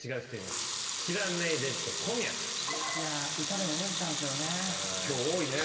歌で覚えてたんすよね。